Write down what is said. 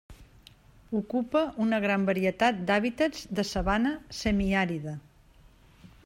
Ocupa una gran varietat d'hàbitats de sabana semiàrida.